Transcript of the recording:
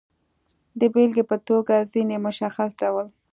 د بېلګې په توګه، ځینې مشخص ډول